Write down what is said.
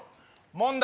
問題